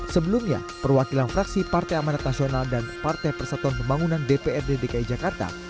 sebelumnya perwakilan fraksi partai amanat nasional dan partai persatuan pembangunan dprd dki jakarta